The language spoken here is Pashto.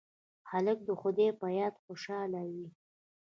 هلک د خدای په یاد خوشحاله وي.